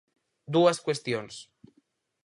Dúas cuestións.